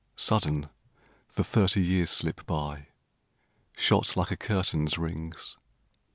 Sudden, the thirty years slip by, Shot like a curtain's rings